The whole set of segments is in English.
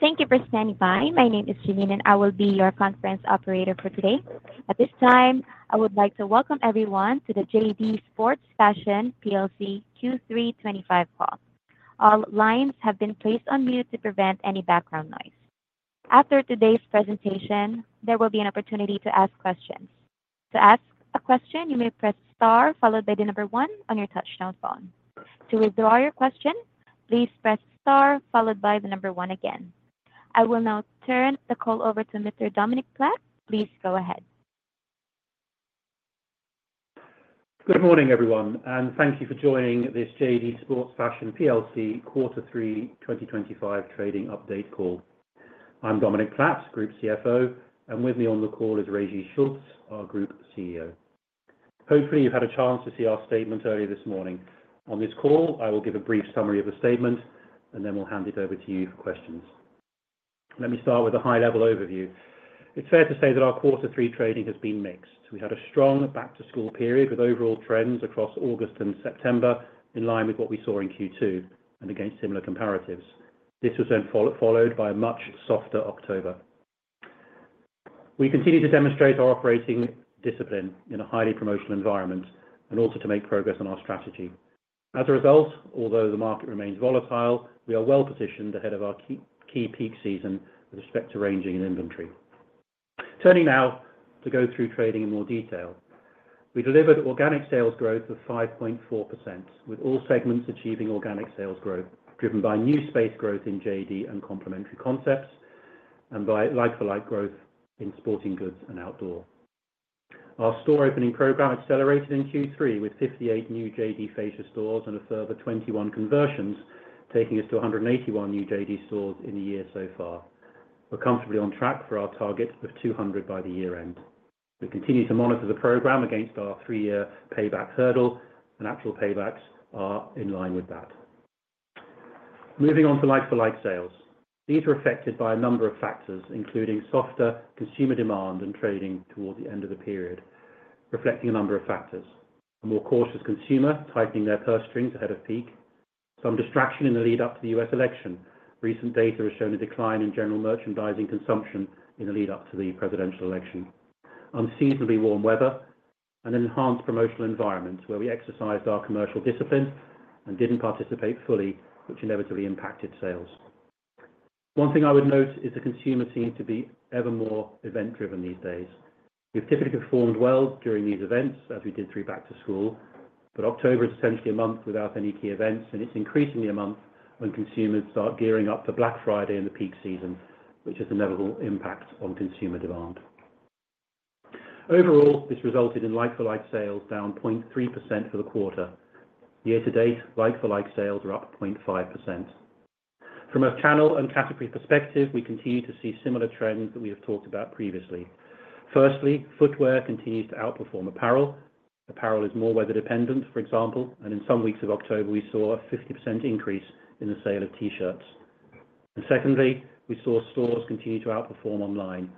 Thank you for standing by. My name is Janine, and I will be your conference operator for today. At this time, I would like to welcome everyone to the JD Sports Fashion PLC Q3 25 call. All lines have been placed on mute to prevent any background noise. After today's presentation, there will be an opportunity to ask questions. To ask a question, you may press star followed by the number one on your touch-tone phone. To withdraw your question, please press star followed by the number one again. I will now turn the call over to Mr. Dominic Platt. Please go ahead. Good morning, everyone, and thank you for joining this JD Sports Fashion PLC Quarter Three 2025 trading update call. I'm Dominic Platt, Group CFO, and with me on the call is Régis Schultz, our Group CEO. Hopefully, you've had a chance to see our statement earlier this morning. On this call, I will give a brief summary of the statement, and then we'll hand it over to you for questions. Let me start with a high-level overview. It's fair to say that our Quarter Three trading has been mixed. We had a strong back-to-school period with overall trends across August and September in line with what we saw in Q2 and against similar comparatives. This was then followed by a much softer October. We continue to demonstrate our operating discipline in a highly promotional environment and also to make progress on our strategy. As a result, although the market remains volatile, we are well positioned ahead of our key peak season with respect to ranging and inventory. Turning now to go through trading in more detail, we delivered organic sales growth of 5.4%, with all segments achieving organic sales growth driven by new space growth in JD and complementary concepts, and by like-for-like growth in sporting goods and outdoor. Our store opening program accelerated in Q3 with 58 new JD fascia stores and a further 21 conversions, taking us to 181 new JD stores in the year so far. We're comfortably on track for our target of 200 by the year-end. We continue to monitor the program against our three-year payback hurdle, and actual paybacks are in line with that. Moving on to like-for-like sales, these are affected by a number of factors, including softer consumer demand and trading towards the end of the period, reflecting a number of factors: a more cautious consumer tightening their purse strings ahead of peak, some distraction in the lead-up to the U.S. election, recent data has shown a decline in general merchandising consumption in the lead-up to the presidential election, unseasonably warm weather, and an enhanced promotional environment where we exercised our commercial discipline and didn't participate fully, which inevitably impacted sales. One thing I would note is the consumer seems to be ever more event-driven these days. We've typically performed well during these events, as we did through back-to-school, but October is essentially a month without any key events, and it's increasingly a month when consumers start gearing up for Black Friday in the peak season, which has a notable impact on consumer demand. Overall, this resulted in like-for-like sales down 0.3% for the quarter. Year-to-date, like-for-like sales are up 0.5%. From a channel and category perspective, we continue to see similar trends that we have talked about previously. Firstly, footwear continues to outperform apparel. Apparel is more weather-dependent, for example, and in some weeks of October, we saw a 50% increase in the sale of T-shirts. And secondly, we saw stores continue to outperform online.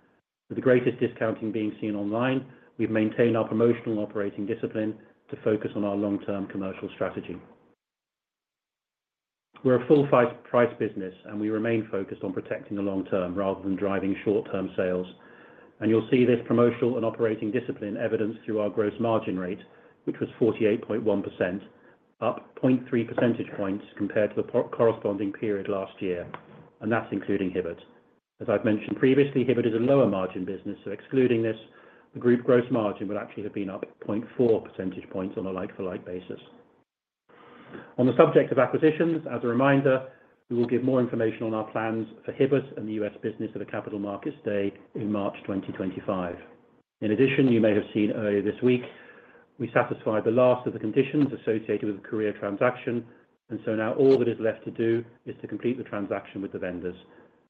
With the greatest discounting being seen online, we've maintained our promotional and operating discipline to focus on our long-term commercial strategy. We're a full-price business, and we remain focused on protecting the long term rather than driving short-term sales. And you'll see this promotional and operating discipline evidenced through our gross margin rate, which was 48.1%, up 0.3 percentage points compared to the corresponding period last year, and that's including Hibbett. As I've mentioned previously, Hibbett is a lower-margin business, so excluding this, the group gross margin would actually have been up 0.4 percentage points on a like-for-like basis. On the subject of acquisitions, as a reminder, we will give more information on our plans for Hibbett and the U.S. business at the Capital Markets Day in March 2025. In addition, you may have seen earlier this week, we satisfied the last of the conditions associated with the Courir transaction, and so now all that is left to do is to complete the transaction with the vendors.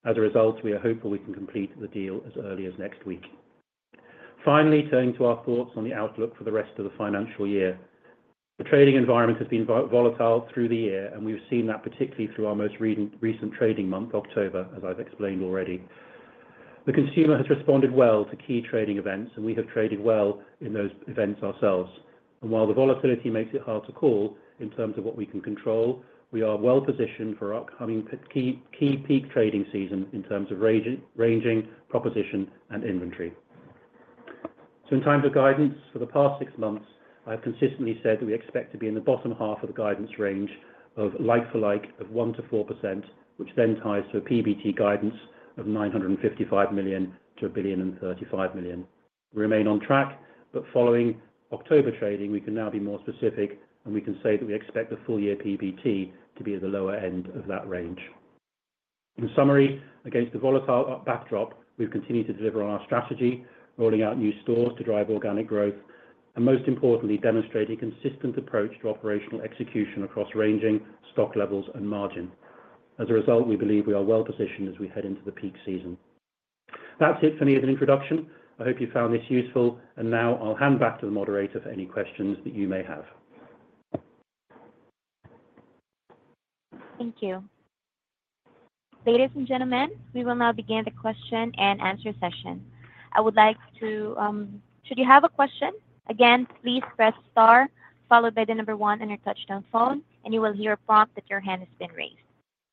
As a result, we are hopeful we can complete the deal as early as next week. Finally, turning to our thoughts on the outlook for the rest of the financial year, the trading environment has been volatile through the year, and we've seen that particularly through our most recent trading month, October, as I've explained already. The consumer has responded well to key trading events, and we have traded well in those events ourselves, and while the volatility makes it hard to call in terms of what we can control, we are well positioned for our upcoming key peak trading season in terms of ranging proposition and inventory. So in terms of guidance, for the past six months, I've consistently said that we expect to be in the bottom half of the guidance range of like-for-like of 1%-4%, which then ties to a PBT guidance of 955 million to 1.035 billion. We remain on track, but following October trading, we can now be more specific, and we can say that we expect the full-year PBT to be at the lower end of that range. In summary, against the volatile backdrop, we've continued to deliver on our strategy, rolling out new stores to drive organic growth, and most importantly, demonstrating a consistent approach to operational execution across ranging stock levels and margin. As a result, we believe we are well positioned as we head into the peak season. That's it for me as an introduction. I hope you found this useful, and now I'll hand back to the moderator for any questions that you may have. Thank you. Ladies and gentlemen, we will now begin the question and answer session. I would like to, should you have a question, again, please press star followed by the number one on your touch-tone phone, and you will hear a prompt that your hand has been raised.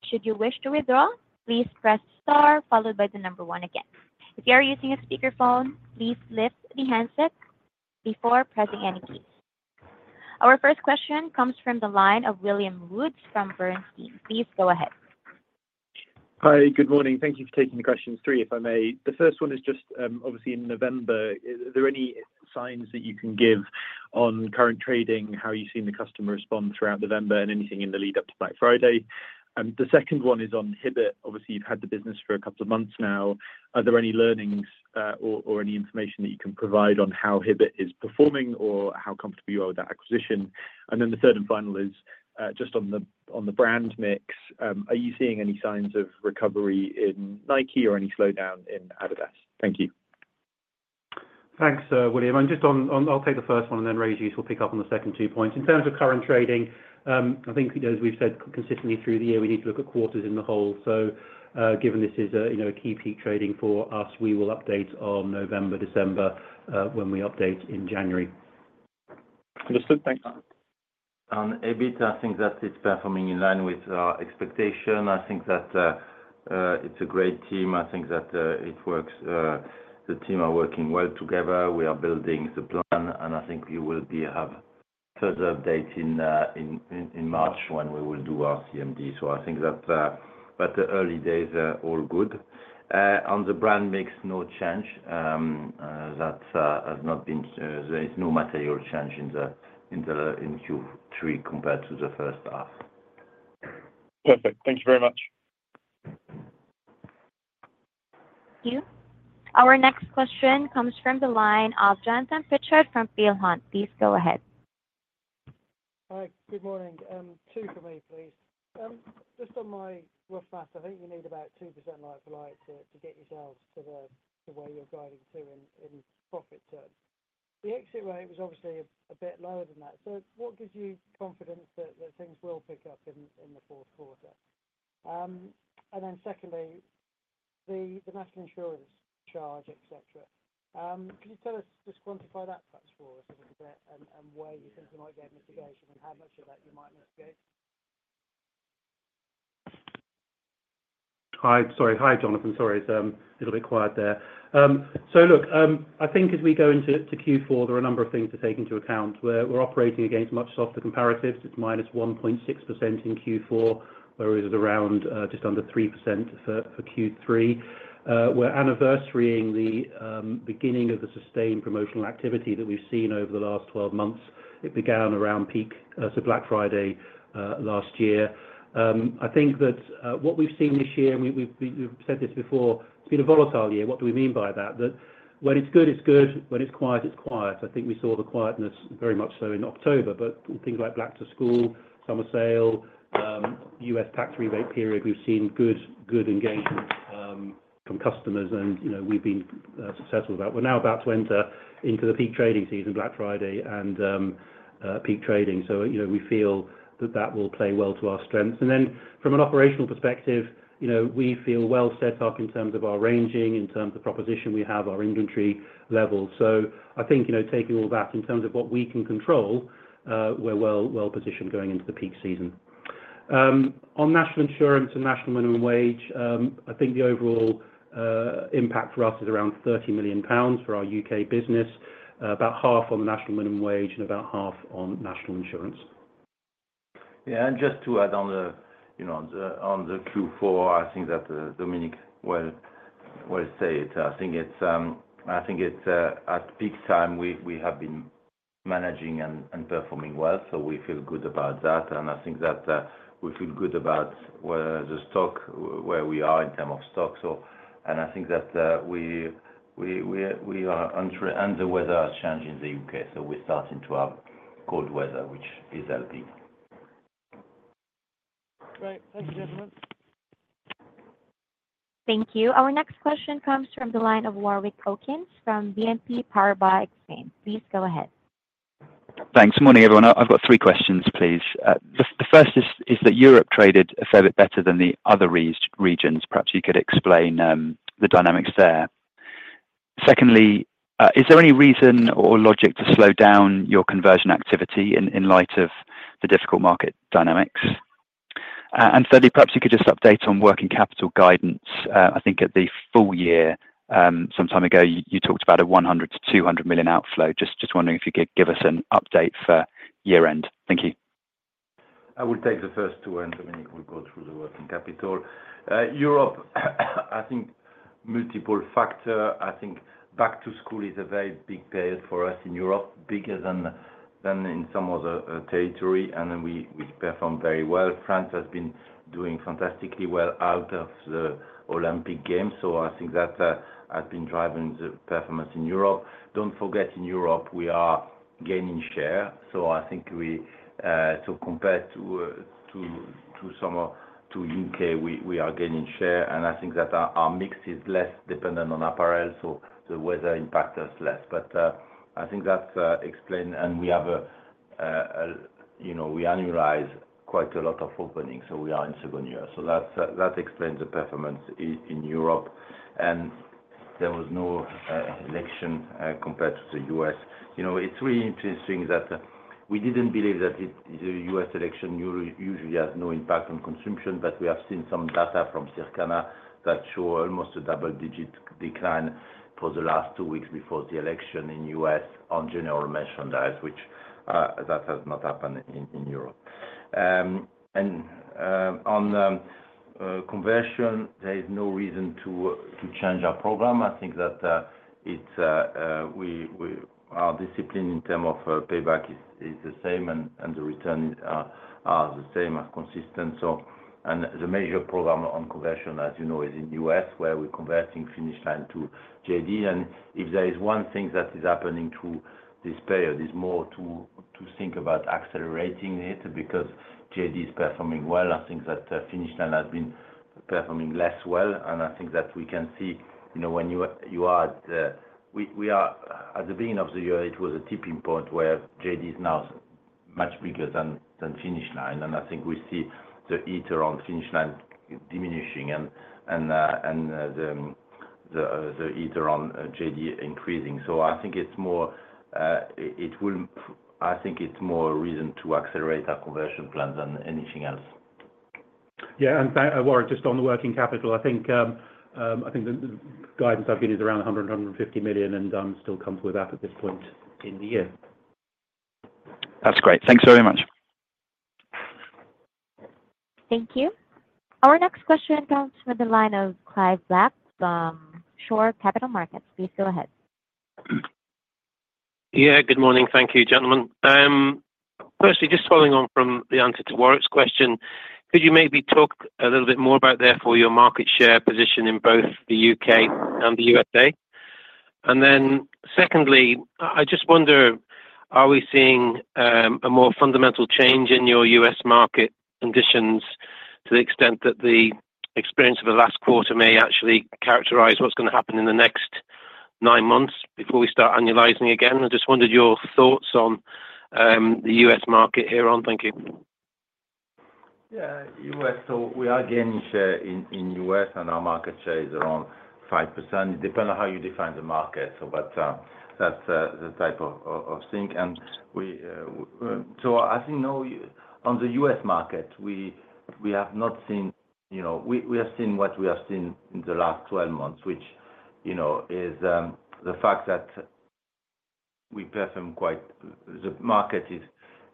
Should you wish to withdraw, please press star followed by the number one again. If you are using a speakerphone, please lift the handset before pressing any keys. Our first question comes from the line of William Woods from Bernstein. Please go ahead. Hi, good morning. Thank you for taking the three questions, if I may. The first one is just, obviously, in November, are there any signs that you can give on current trading, how you've seen the customer respond throughout November, and anything in the lead-up to Black Friday? The second one is on Hibbett. Obviously, you've had the business for a couple of months now. Are there any learnings or any information that you can provide on how Hibbett is performing or how comfortable you are with that acquisition? And then the third and final is just on the brand mix. Are you seeing any signs of recovery in Nike or any slowdown in Adidas? Thank you. Thanks, William. I'll take the first one and then Régis will pick up on the second two points. In terms of current trading, I think, as we've said, consistently through the year, we need to look at quarters as a whole. So given this is a key peak trading for us, we will update on November, December when we update in January. Understood. Thanks. On Hibbett, I think that it's performing in line with our expectation. I think that it's a great team. I think that it works. The team are working well together. We are building the plan, and I think we will have further updates in March when we will do our CMD. So I think that the early days are all good. On the brand mix, no change. That has not been. There is no material change in Q3 compared to the first half. Perfect. Thank you very much. Thank you. Our next question comes from the line of Jonathan Pritchard from Peel Hunt. Please go ahead. Hi, good morning. Two for me, please. Just on my rough math, I think you need about 2% like-for-like to get yourselves to where you're guiding to in profit terms. The exit rate was obviously a bit lower than that. So what gives you confidence that things will pick up in the fourth quarter? And then secondly, the National Insurance charge, etc. Could you tell us, just quantify that perhaps for us a little bit and where you think you might get mitigation and how much of that you might mitigate? Hi. Sorry. Hi, Jonathan. Sorry, it's a little bit quiet there. So look, I think as we go into Q4, there are a number of things to take into account. We're operating against much softer comparatives. It's -1.6% in Q4, whereas it's around just under 3% for Q3. We're anniversarying the beginning of the sustained promotional activity that we've seen over the last 12 months. It began around peak, so Black Friday last year. I think that what we've seen this year, and we've said this before, it's been a volatile year. What do we mean by that? That when it's good, it's good. When it's quiet, it's quiet. I think we saw the quietness, very much so in October, but things like back-to-school, summer sale, US tax rebate period, we've seen good engagement from customers, and we've been successful with that. We're now about to enter into the peak trading season, Black Friday and peak trading. So we feel that that will play well to our strengths. And then from an operational perspective, we feel well set up in terms of our ranging, in terms of proposition we have, our inventory levels. So I think taking all that in terms of what we can control, we're well positioned going into the peak season. On National Insurance and National Minimum Wage, I think the overall impact for us is around 30 million pounds for our U.K. business, about half on the National Minimum Wage and about half on National Insurance. Yeah. And just to add on the Q4, I think that Dominic will say it. I think it's at peak time. We have been managing and performing well, so we feel good about that. And I think that we feel good about the stock, where we are in terms of stock. And I think that we are undergoing weather change in the U.K., so we're starting to have cold weather, which is helping. Great. Thank you, gentlemen. Thank you. Our next question comes from the line of Warwick Okines from BNP Paribas Exane. Please go ahead. Thanks. Morning, everyone. I've got three questions, please. The first is that Europe traded a fair bit better than the other regions. Perhaps you could explain the dynamics there. Secondly, is there any reason or logic to slow down your conversion activity in light of the difficult market dynamics? And thirdly, perhaps you could just update on working capital guidance. I think at the full year, some time ago, you talked about a 100-200 million outflow. Just wondering if you could give us an update for year-end. Thank you. I will take the first two, and Dominic will go through the working capital. Europe. I think multiple factors. I think back-to-school is a very big period for us in Europe, bigger than in some other territory, and we perform very well. France has been doing fantastically well out of the Olympic Games, so I think that has been driving the performance in Europe. Don't forget, in Europe, we are gaining share. So I think compared to U.K., we are gaining share, and I think that our mix is less dependent on apparel, so the weather impacts us less. But I think that explains, and we annualize quite a lot of openings, so we are in second year. So that explains the performance in Europe, and there was no election compared to the U.S. It's really interesting that we didn't believe that the U.S. election usually has no impact on consumption, but we have seen some data from Circana that show almost a double-digit decline for the last two weeks before the election in the U.S. on general merchandise, which has not happened in Europe. And on conversion, there is no reason to change our program. I think that our discipline in terms of payback is the same, and the returns are the same, are consistent. And the major program on conversion, as you know, is in the U.S., where we're converting Finish Line to JD. And if there is one thing that is happening through this period, it's more to think about accelerating it because JD is performing well. I think that Finish Line has been performing less well, and I think that we can see when we are at the beginning of the year, it was a tipping point where JD is now much bigger than Finish Line, and I think we see the heat on Finish Line diminishing and the heat on JD increasing. So I think it's more reason to accelerate our conversion plans than anything else. Yeah, and Warwick, just on the working capital, I think the guidance I've given is around 100-150 million, and still comes with that at this point in the year. That's great. Thanks very much. Thank you. Our next question comes from the line of Clive Black, Shore Capital Markets. Please go ahead. Yeah. Good morning. Thank you, gentlemen. Firstly, just following on from the answer to Warwick's question, could you maybe talk a little bit more about therefore your market share position in both the U.K. and the USA? And then secondly, I just wonder, are we seeing a more fundamental change in your U.S. market conditions to the extent that the experience of the last quarter may actually characterize what's going to happen in the next nine months before we start annualizing again? I just wondered your thoughts on the U.S. market here on. Thank you. Yeah. U.S., so we are gaining share in U.S., and our market share is around 5%. It depends on how you define the market, but that's the type of thing. And so as you know, on the U.S. market, we have not seen-we have seen what we have seen in the last 12 months, which is the fact that we perform quite-the market is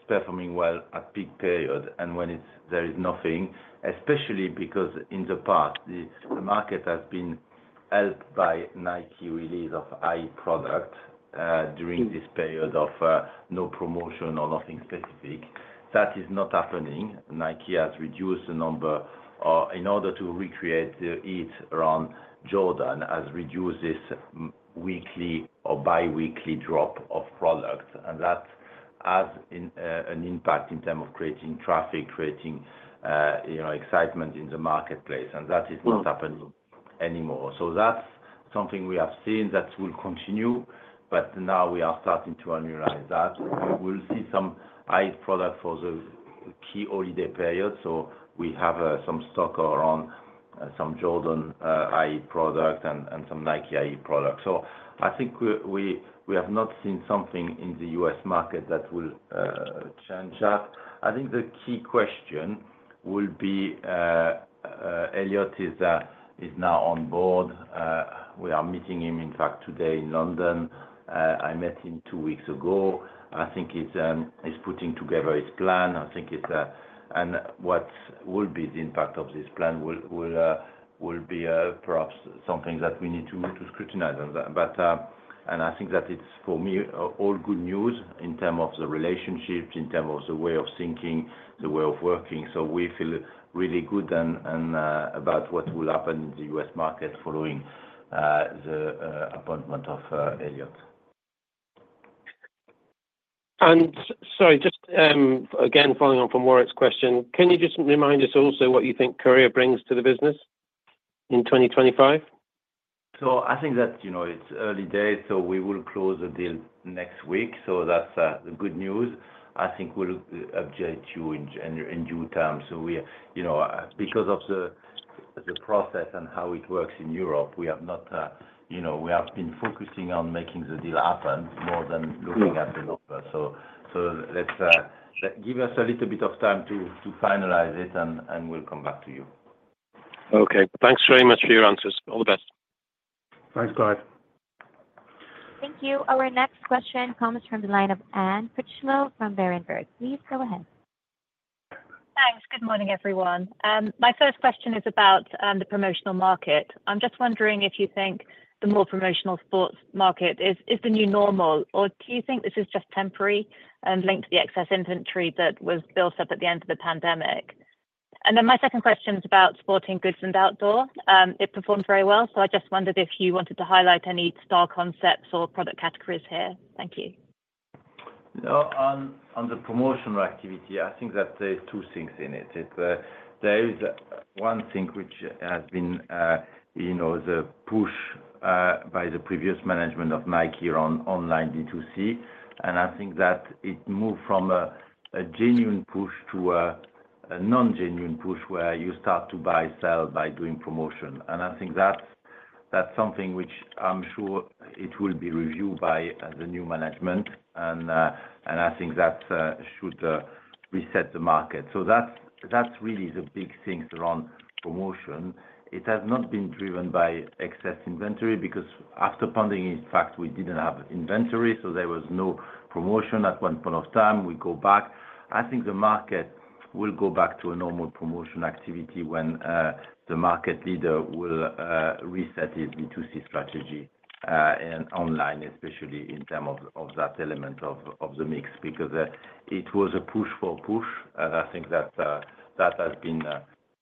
performing well at peak period, and when there is nothing, especially because in the past, the market has been helped by Nike release of hype product during this period of no promotion or nothing specific. That is not happening. Nike has reduced the number in order to recreate the heat around Jordan, has reduced this weekly or biweekly drop of product, and that has an impact in terms of creating traffic, creating excitement in the marketplace, and that is not happening anymore. That's something we have seen that will continue, but now we are starting to annualize that. We will see some heat for the key holiday period, so we have some stock around some Jordan heat and some Nike heat. So I think we have not seen something in the U.S. market that will change that. I think the key question will be Elliott is now on board. We are meeting him, in fact, today in London. I met him two weeks ago. I think he's putting together his plan. I think what will be the impact of this plan will be perhaps something that we need to scrutinize. And I think that it's, for me, all good news in terms of the relationships, in terms of the way of thinking, the way of working. So we feel really good about what will happen in the U.S. market following the appointment of Elliott. Sorry, just again, following on from Warwick's question, can you just remind us also what you think Courir brings to the business in 2025? So I think that it's early days, so we will close the deal next week. So that's the good news. I think we'll update you in due time. So because of the process and how it works in Europe, we have not—we have been focusing on making the deal happen more than looking at the numbers. So give us a little bit of time to finalize it, and we'll come back to you. Okay. Thanks very much for your answers. All the best. Thanks, Clive. Thank you. Our next question comes from the line of Anne Critchlow from Berenberg, please go ahead. Thanks. Good morning, everyone. My first question is about the promotional market. I'm just wondering if you think the more promotional sports market is the new normal, or do you think this is just temporary and linked to the excess inventory that was built up at the end of the pandemic? And then my second question is about sporting goods and outdoor. It performed very well, so I just wondered if you wanted to highlight any star concepts or product categories here. Thank you. On the promotional activity, I think that there are two things in it. There is one thing which has been the push by the previous management of Nike around online DTC, and I think that it moved from a genuine push to a non-genuine push where you start to buy, sell by doing promotion, and I think that's something which I'm sure it will be reviewed by the new management, and I think that should reset the market, that's really the big things around promotion. It has not been driven by excess inventory because after COVID, in fact, we didn't have inventory, so there was no promotion at one point in time. We go back. I think the market will go back to a normal promotion activity when the market leader will reset his D2C strategy online, especially in terms of that element of the mix because it was a push for push, and I think that has been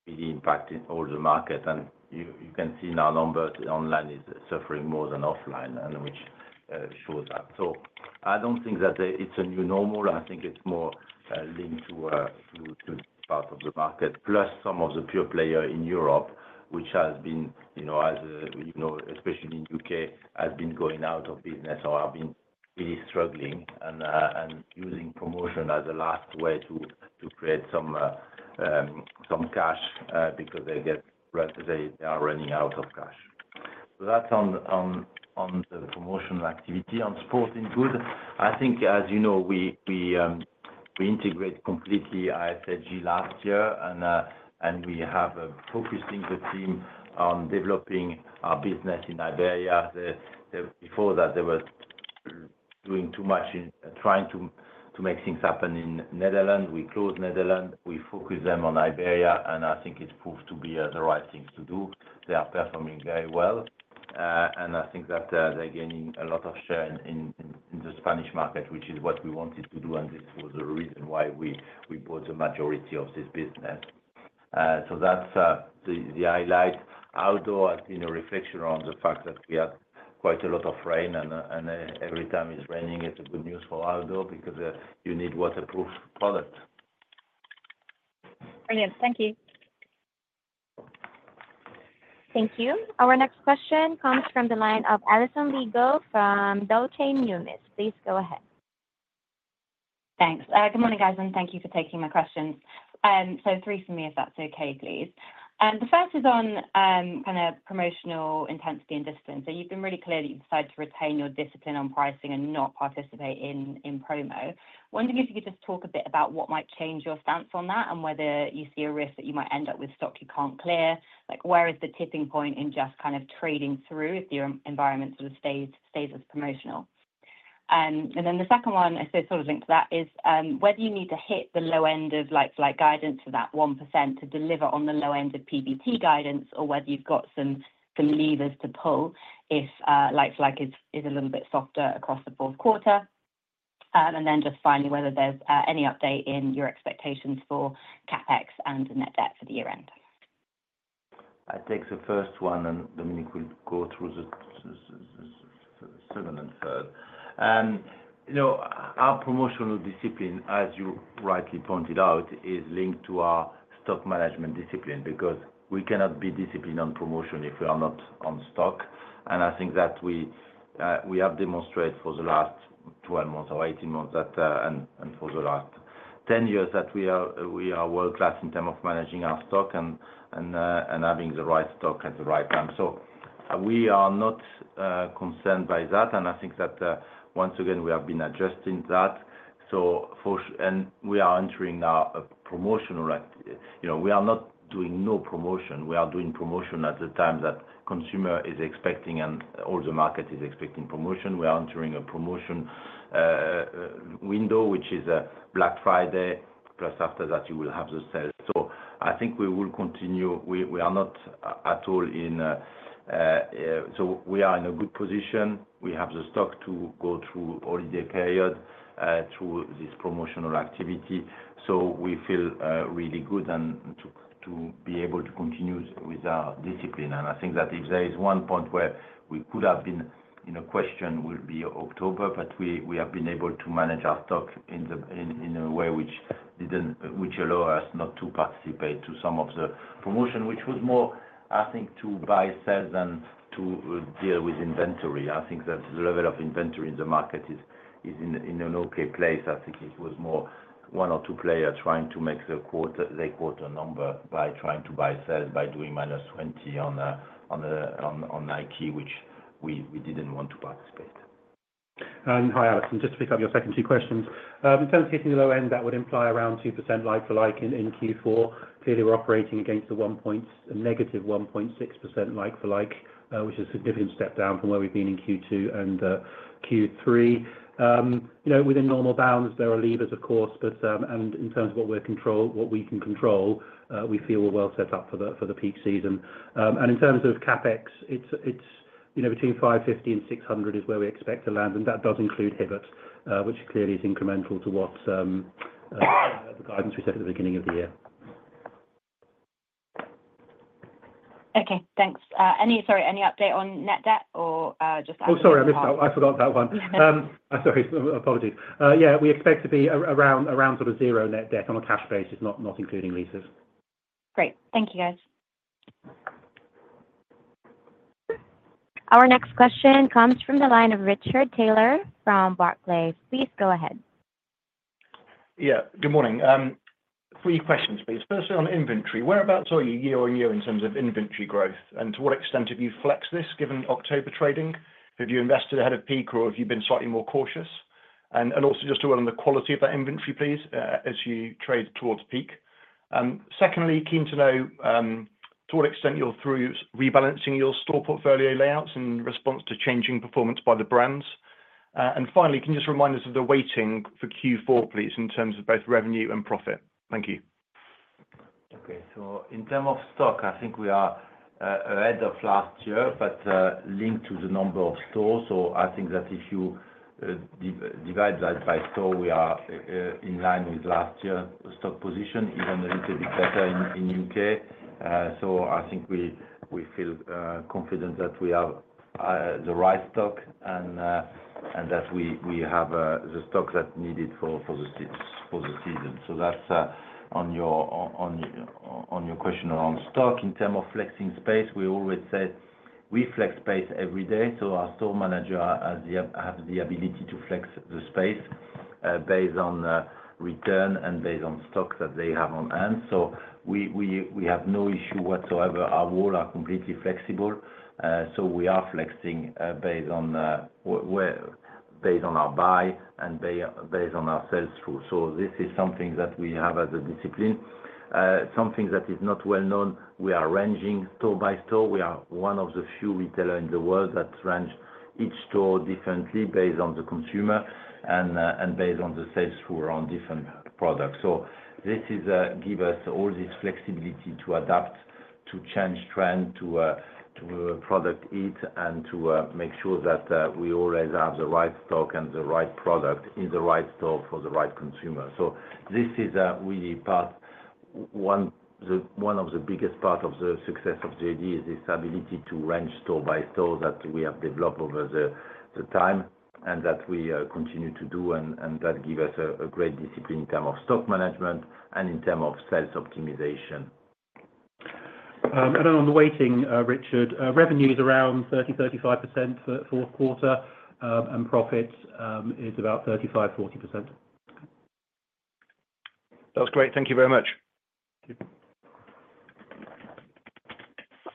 really impacting all the market, and you can see now numbers online is suffering more than offline, which shows that, so I don't think that it's a new normal. I think it's more linked to this part of the market, plus some of the pure players in Europe, which, especially in the U.K., has been going out of business or have been really struggling and using promotion as a last way to create some cash because they are running out of cash. So that's on the promotional activity. On sporting goods, I think, as you know, we integrate completely ISG last year, and we have focused the team on developing our business in Iberia. Before that, they were doing too much trying to make things happen in Netherlands. We closed Netherlands. We focused them on Iberia, and I think it proved to be the right thing to do. They are performing very well, and I think that they're gaining a lot of share in the Spanish market, which is what we wanted to do, and this was the reason why we bought the majority of this business. So that's the highlight. Outdoor has been a reflection on the fact that we had quite a lot of rain, and every time it's raining, it's good news for outdoor because you need waterproof products. Brilliant. Thank you. Thank you. Our next question comes from the line of Alison Lygo from Deutsche Numis. Please go ahead. Thanks. Good morning, guys, and thank you for taking my questions. So three for me, if that's okay, please. And the first is on kind of promotional intensity and discipline. So you've been really clear that you've decided to retain your discipline on pricing and not participate in promo. Wondering if you could just talk a bit about what might change your stance on that and whether you see a risk that you might end up with stock you can't clear. Where is the tipping point in just kind of trading through if the environment sort of stays as promotional? And then the second one, sort of linked to that, is whether you need to hit the low end of like-for-like guidance for that 1% to deliver on the low end of PBT guidance, or whether you've got some levers to pull if like-for-like is a little bit softer across the fourth quarter. And then just finally, whether there's any update in your expectations for CapEx and net debt for the year-end. I'll take the first one, and Dominic will go through the second and third. Our promotional discipline, as you rightly pointed out, is linked to our stock management discipline because we cannot be disciplined on promotion if we are not on stock. And I think that we have demonstrated for the last 12 months or 18 months and for the last 10 years that we are world-class in terms of managing our stock and having the right stock at the right time. So we are not concerned by that, and I think that once again, we have been adjusting that. And we are entering now a promotional. We are not doing no promotion. We are doing promotion at the time that consumer is expecting and all the market is expecting promotion. We are entering a promotion window, which is Black Friday, plus after that, you will have the sales. So, I think we will continue. We are not at all in, so we are in a good position. We have the stock to go through the holiday period through this promotional activity. So we feel really good and to be able to continue with our discipline. And I think that if there is one point where we could have been in a question, it would be October, but we have been able to manage our stock in a way which allowed us not to participate in some of the promotion, which was more, I think, to buy sales than to deal with inventory. I think that the level of inventory in the market is in an okay place. I think it was more one or two players trying to make their quarter number by trying to buy sales by doing minus 20% on Nike, which we didn't want to participate. Hi, Alison. Just to pick up your second two questions. In terms of hitting the low end, that would imply around 2% like-for-like in Q4. Clearly, we're operating against a negative 1.6% like-for-like, which is a significant step down from where we've been in Q2 and Q3. Within normal bounds, there are levers, of course, and in terms of what we can control, we feel we're well set up for the peak season. In terms of CapEx, it's between 550 and 600 is where we expect to land, and that does include Hibbett, which clearly is incremental to what the guidance we said at the beginning of the year. Okay. Thanks. Sorry, any update on net debt or just Oh, sorry. I forgot that one. Sorry. Apologies. Yeah. We expect to be around sort of zero net debt on a cash basis, not including leases. Great. Thank you, guys. Our next question comes from the line of Richard Taylor from Barclays. Please go ahead. Yeah. Good morning. Three questions, please. Firstly, on inventory, whereabouts are you year on year in terms of inventory growth, and to what extent have you flexed this given October trading? Have you invested ahead of peak, or have you been slightly more cautious? And also just around the quality of that inventory, please, as you trade towards peak. Secondly, keen to know to what extent you're through rebalancing your store portfolio layouts in response to changing performance by the brands. And finally, can you just remind us of the weighting for Q4, please, in terms of both revenue and profit? Thank you. Okay. So in terms of stock, I think we are ahead of last year, but linked to the number of stores. So I think that if you divide that by store, we are in line with last year's stock position, even a little bit better in the U.K. So I think we feel confident that we have the right stock and that we have the stock that's needed for the season. So that's on your question around stock. In terms of flexing space, we always say we flex space every day. So our store manager has the ability to flex the space based on return and based on stock that they have on hand. So we have no issue whatsoever. Our walls are completely flexible, so we are flexing based on our buy and based on our sales through. So this is something that we have as a discipline. Something that is not well known, we are ranging store by store. We are one of the few retailers in the world that range each store differently based on the consumer and based on the sales through around different products. So this gives us all this flexibility to adapt, to change trend, to predict it, and to make sure that we always have the right stock and the right product in the right store for the right consumer. So this is really one of the biggest parts of the success of JD, is this ability to range store by store that we have developed over the time and that we continue to do, and that gives us a great discipline in terms of stock management and in terms of sales optimization. On the weighting, Richard, revenue is around 30%-35% for the fourth quarter, and profit is about 35%-40%. That's great. Thank you very much.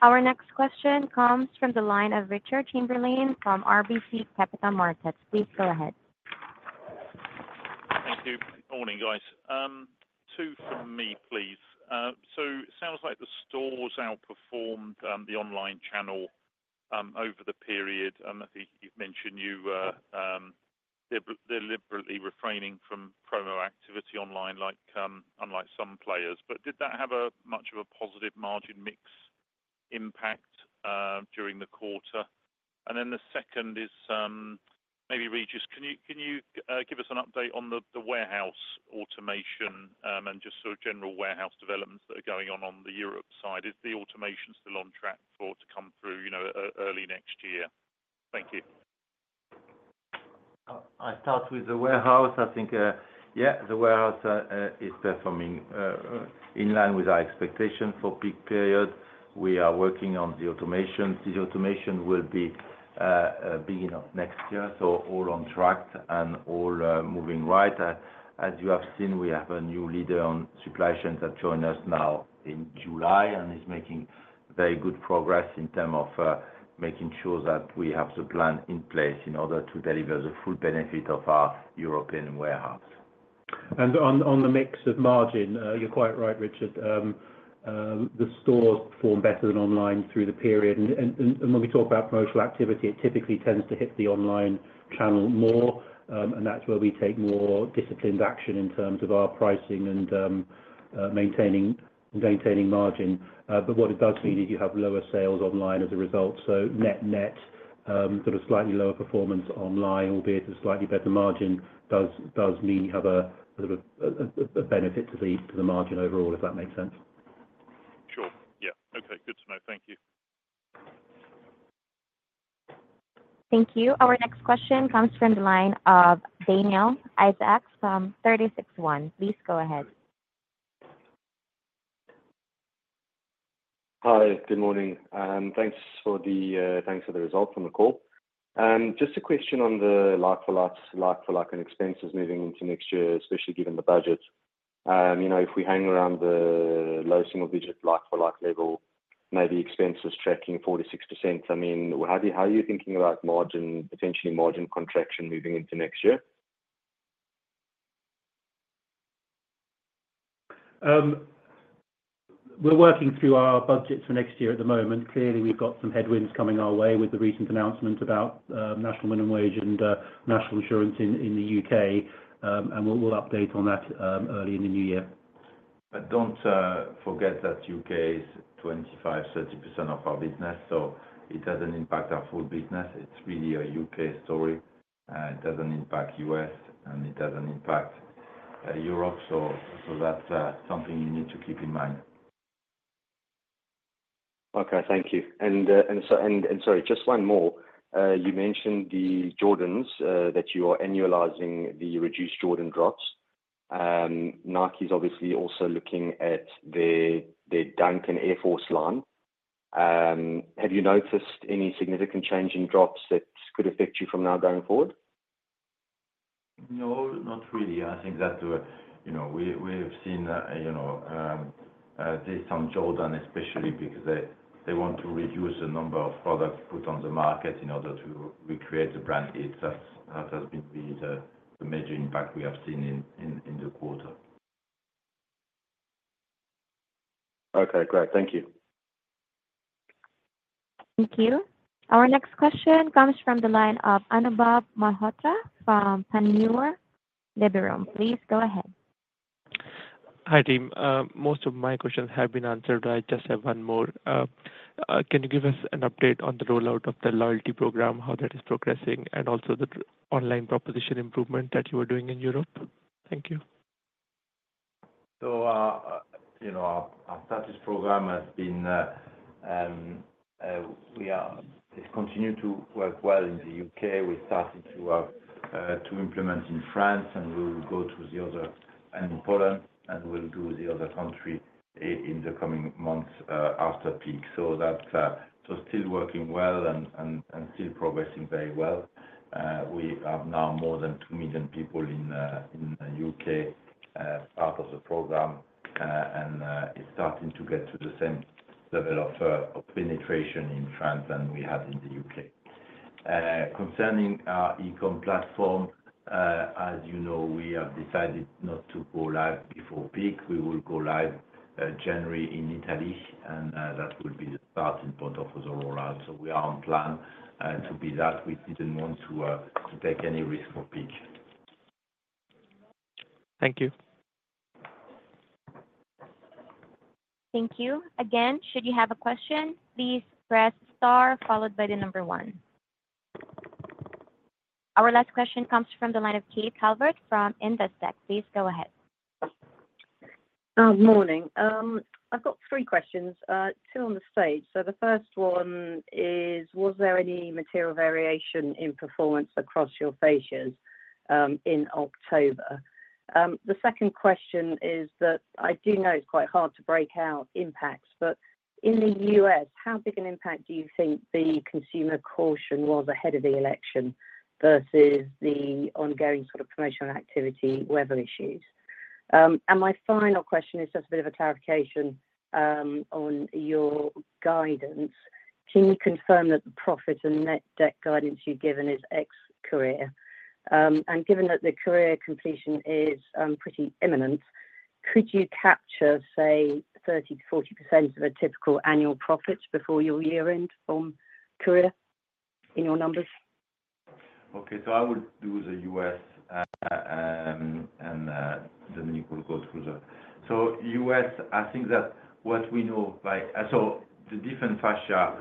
Our next question comes from the line of Richard Chamberlain from RBC Capital Markets. Please go ahead. Thank you. Good morning, guys. Two from me, please. So it sounds like the stores outperformed the online channel over the period. I think you've mentioned you deliberately refraining from promo activity online, unlike some players. But did that have much of a positive margin mix impact during the quarter? And then the second is maybe Régis, can you give us an update on the warehouse automation and just sort of general warehouse developments that are going on on the Europe side? Is the automation still on track to come through early next year? Thank you. I start with the warehouse. I think, yeah, the warehouse is performing in line with our expectations for peak period. We are working on the automation. This automation will be beginning next year, so all on track and all moving right. As you have seen, we have a new leader on supply chains that joined us now in July and is making very good progress in terms of making sure that we have the plan in place in order to deliver the full benefit of our European warehouse. On the mix of margin, you're quite right, Richard. The stores perform better than online through the period. When we talk about promotional activity, it typically tends to hit the online channel more, and that's where we take more disciplined action in terms of our pricing and maintaining margin. What it does mean is you have lower sales online as a result. Net net, sort of slightly lower performance online, albeit a slightly better margin, does mean you have a sort of benefit to the margin overall, if that makes sense. Sure. Yeah. Okay. Good to know. Thank you. Thank you. Our next question comes from the line of Daniel Isaacs from 36ONE. Please go ahead. Hi. Good morning. Thanks for the results on the call. Just a question on the like-for-like and expenses moving into next year, especially given the budget. If we hang around the low single-digit like-for-like level, maybe expenses tracking 46%, I mean, how are you thinking about potentially margin contraction moving into next year? We're working through our budget for next year at the moment. Clearly, we've got some headwinds coming our way with the recent announcement about National Minimum Wage and National Insurance in the U.K., and we'll update on that early in the new year. But don't forget that U.K. is 25%-30% of our business, so it doesn't impact our full business. It's really a U.K. story. It doesn't impact the U.S., and it doesn't impact Europe. So that's something you need to keep in mind. Okay. Thank you. And sorry, just one more. You mentioned the Jordans that you are annualizing the reduced Jordan drops. Nike is obviously also looking at their Dunk and Air Force 1 line. Have you noticed any significant change in drops that could affect you from now going forward? No, not really. I think that we have seen at least on Jordan, especially because they want to reduce the number of products put on the market in order to recreate the brand itself. That has been really the major impact we have seen in the quarter. Okay. Great. Thank you. Thank you. Our next question comes from the line of Anubhav Malhotra from Panmure Liberum. Please go ahead. Hi, team. Most of my questions have been answered. I just have one more. Can you give us an update on the rollout of the loyalty program, how that is progressing, and also the online proposition improvement that you are doing in Europe? Thank you. Our STATUS program has been. We continue to work well in the U.K. We started to implement in France, and we will go to the others and in Poland, and we'll do the other countries in the coming months after peak. Still working well and still progressing very well. We have now more than two million people in the U.K., part of the program, and it's starting to get to the same level of penetration in France than we had in the U.K. Concerning our e-comm platform, as you know, we have decided not to go live before peak. We will go live January in Italy, and that will be the starting point of the rollout. We are on plan to be that. We didn't want to take any risk for peak. Thank you. Thank you. Again, should you have a question, please press star followed by the number one. Our last question comes from the line of Kate Calvert from Investec. Please go ahead. Morning. I've got three questions, two on the stage. So the first one is, was there any material variation in performance across your fascias in October? The second question is that I do know it's quite hard to break out impacts, but in the U.S., how big an impact do you think the consumer caution was ahead of the election versus the ongoing sort of promotional activity, weather issues? And my final question is just a bit of a clarification on your guidance. Can you confirm that the profit and net debt guidance you've given is ex-Courir? And given that the Courir completion is pretty imminent, could you capture, say, 30%-40% of a typical annual profit before your year-end from Courir in your numbers? Okay. So I would do the US, and then you could go through the US. I think that what we know so the different fascia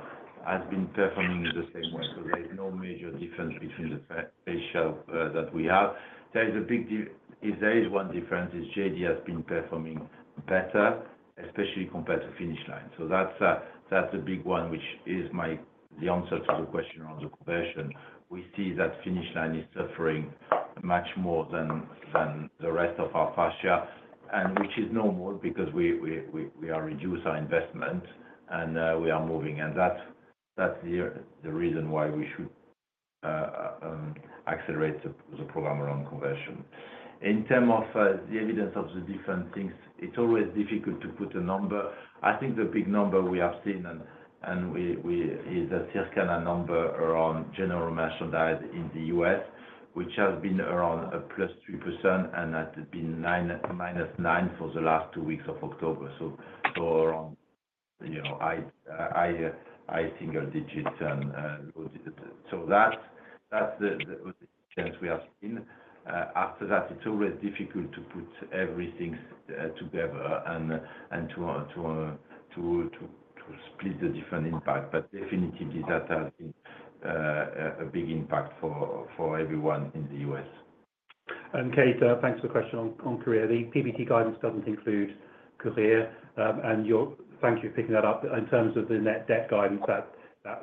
has been performing the same way. So there is no major difference between the fascias that we have. There is a big one if there is one difference, it's JD has been performing better, especially compared to Finish Line. So that's the big one, which is the answer to the question on the question. We see that Finish Line is suffering much more than the rest of our fascias, which is normal because we have reduced our investment, and we are moving. And that's the reason why we should accelerate the program around conversion. In terms of the evidence of the different things, it's always difficult to put a number. I think the big number we have seen is a Circana number around general merchandise in the U.S., which has been around +3%, and that has been -9% for the last two weeks of October. So around high single digits. So that's the change we have seen. After that, it's always difficult to put everything together and to split the different impact. But definitely, that has been a big impact for everyone in the U.S. Kate, thanks for the question on Courir. The PBT guidance doesn't include Courir. Thank you for picking that up. In terms of the net debt guidance,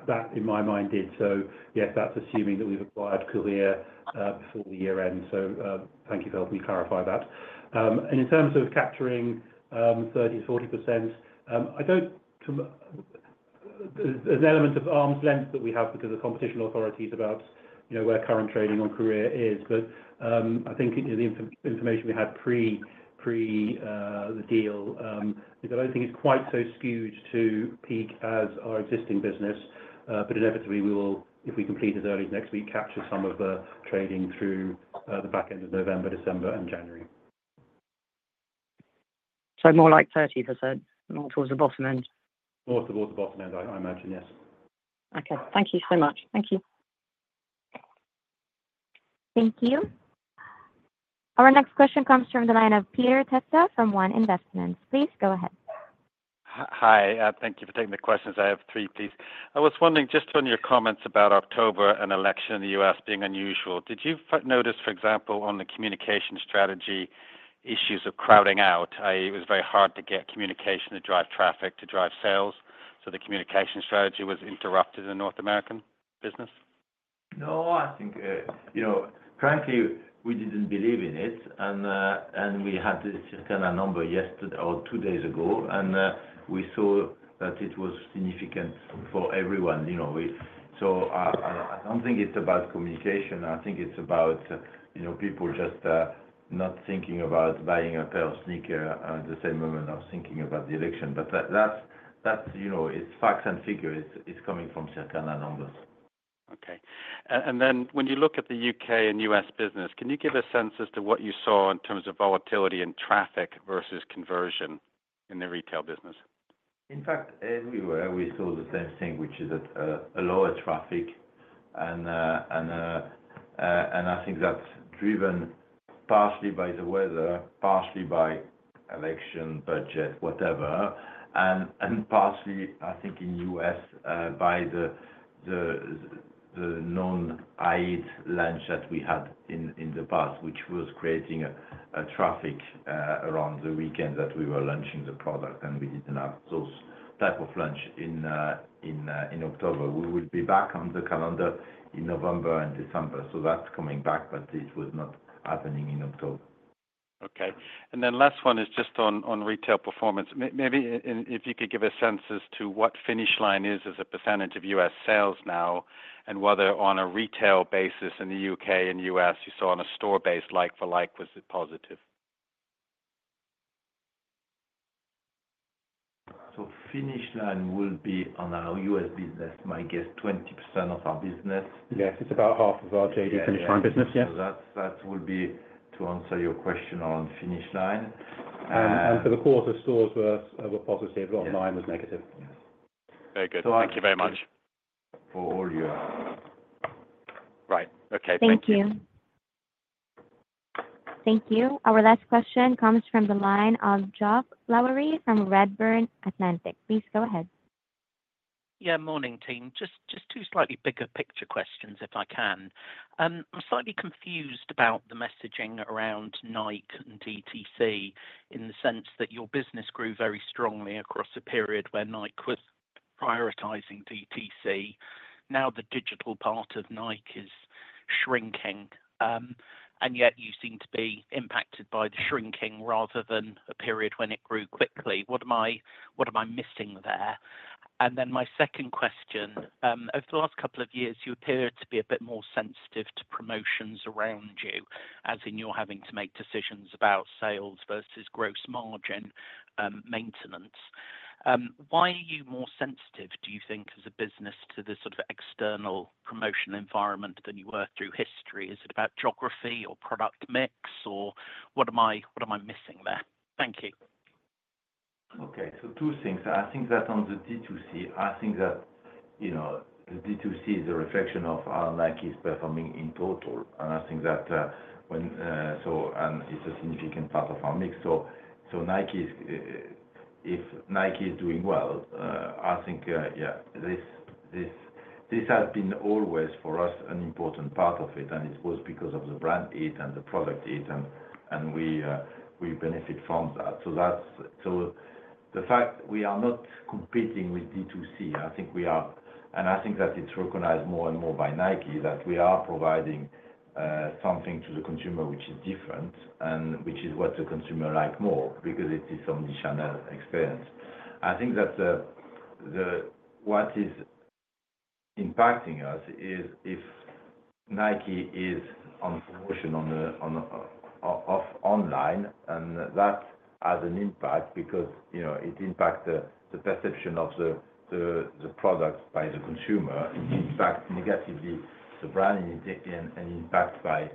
that, in my mind, did. Yes, that's assuming that we've acquired Courir before the year-end. Thank you for helping me clarify that. In terms of capturing 30%-40%, I don't see an element of arm's length that we have because the competition authority is about where current trading on Courir is. I think the information we had pre-deal is. I don't think it's quite so skewed to peak as our existing business. Inevitably, we will, if we complete as early as next week, capture some of the trading through the back end of November, December, and January. So more like 30% towards the bottom end? More towards the bottom end, I imagine. Yes. Okay. Thank you so much. Thank you. Thank you. Our next question comes from the line of Peter Testa from One Investments. Please go ahead. Hi. Thank you for taking the questions. I have three, please. I was wondering just on your comments about October and election in the U.S. being unusual. Did you notice, for example, on the communication strategy issues of crowding out? It was very hard to get communication to drive traffic, to drive sales. So the communication strategy was interrupted in North American business? No. I think frankly, we didn't believe in it. And we had this kind of number yesterday or two days ago, and we saw that it was significant for everyone. So I don't think it's about communication. I think it's about people just not thinking about buying a pair of sneakers at the same moment as thinking about the election. But that's it. It's facts and figures. It's coming from certain numbers. Okay. And then when you look at the U.K. and U.S. business, can you give a sense as to what you saw in terms of volatility and traffic versus conversion in the retail business? In fact, everywhere, we saw the same thing, which is a lower traffic. And I think that's driven partially by the weather, partially by election budget, whatever, and partially, I think, in the U.S. by the non-High Heat launch that we had in the past, which was creating a traffic around the weekend that we were launching the product, and we didn't have those type of launch in October. We will be back on the calendar in November and December. So that's coming back, but it was not happening in October. Okay. And then last one is just on retail performance. Maybe if you could give a sense as to what Finish Line is as a percentage of U.S. sales now and whether on a retail basis in the U.K. and U.S. you saw on a store-based like-for-like, was it positive? Finish Line will be on our U.S. business, my guess, 20% of our business. Yes. It's about half of our JD Finish Line business. Yeah. So that will be to answer your question on Finish Line. For the quarter, stores were positive. Online was negative. Yes. Very good. Thank you very much. For all year. Right. Okay. Thank you. Thank you. Thank you. Our last question comes from the line of Geoff Lowery from Redburn Atlantic. Please go ahead. Yeah. Morning, team. Just two slightly bigger picture questions, if I can. I'm slightly confused about the messaging around Nike and DTC in the sense that your business grew very strongly across a period where Nike was prioritizing DTC. Now the digital part of Nike is shrinking, and yet you seem to be impacted by the shrinking rather than a period when it grew quickly. What am I missing there? And then my second question, over the last couple of years, you appear to be a bit more sensitive to promotions around you, as in you're having to make decisions about sales versus gross margin maintenance. Why are you more sensitive, do you think, as a business to the sort of external promotion environment than you were through history? Is it about geography or product mix? Or what am I missing there? Thank you. Okay. So two things. I think that on the DTC, I think that the DTC is a reflection of how Nike is performing in total. And I think that when so and it's a significant part of our mix. So if Nike is doing well, I think, yeah, this has been always for us an important part of it, and it was because of the brand heat and the product heat, and we benefit from that. So the fact we are not competing with DTC, I think we are and I think that it's recognized more and more by Nike that we are providing something to the consumer which is different and which is what the consumer likes more because it is some of the channel experience. I think that what is impacting us is if Nike is on promotion online, and that has an impact because it impacts the perception of the product by the consumer. It impacts negatively the brand and impact by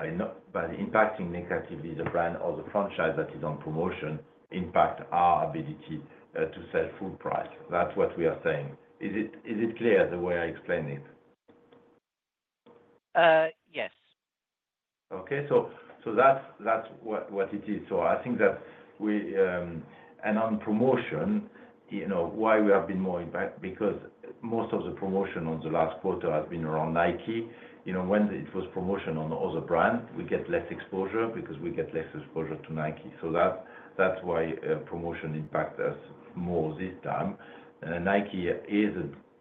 impacting negatively the brand or the franchise that is on promotion impact our ability to sell full price. That's what we are saying. Is it clear the way I explain it? Yes. Okay. So that's what it is. So I think that we and on promotion, why we have been more impacted because most of the promotion on the last quarter has been around Nike. When it was promotion on other brands, we get less exposure because we get less exposure to Nike. So that's why promotion impacted us more this time. Nike is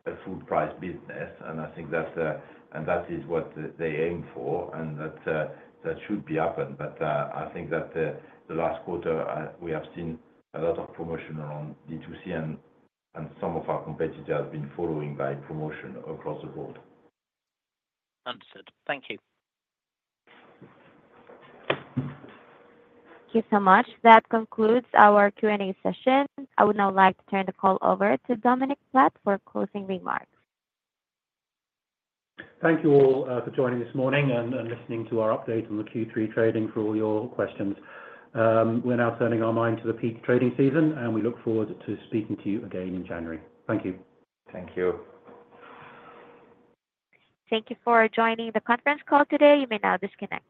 a full-price business, and I think that and that is what they aim for, and that should be happened. But I think that the last quarter, we have seen a lot of promotion around DTC, and some of our competitors have been following by promotion across the board. Understood. Thank you. Thank you so much. That concludes our Q&A session. I would now like to turn the call over to Dominic Platt for closing remarks. Thank you all for joining this morning and listening to our update on the Q3 trading for all your questions. We're now turning our mind to the peak trading season, and we look forward to speaking to you again in January. Thank you. Thank you. Thank you for joining the conference call today. You may now disconnect.